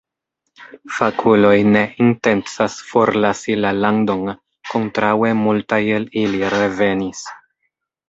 Fakuloj ne intencas forlasi la landon, kontraŭe multaj el ili revenis.